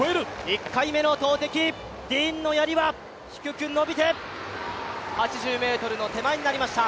１回目の投てき、ディーンのやりは低く伸びて８０ｍの手前になりました。